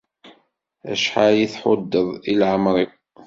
Acḥal i d-tḥuddeḍ i leεmer-iw.